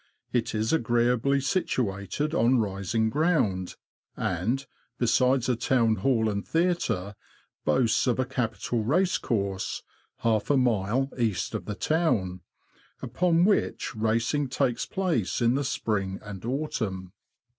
It is agreeably situated on rising ground, and, besides a town hall and theatre, boasts of a capital race course (half a mile east of the town), upon which racing takes place in the Spring and 40 THE LAND OF THE BROADS. Autumn.